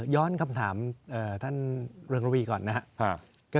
ย้อนคำถามท่านเรืองระวีก่อนนะครับ